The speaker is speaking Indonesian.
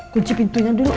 kunci pintunya dulu